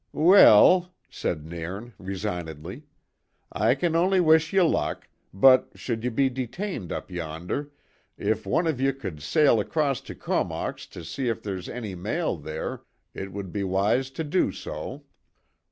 "Weel," said Nairn resignedly. "I can only wish ye luck, but should ye be detained up yonder, if one of ye could sail across to Comox to see if there's any mail there, it would be wise to do so."